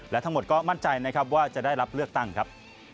และทั้งหมดก็มั่นใจนะครับว่าจะได้รับเลือกตั้งครับ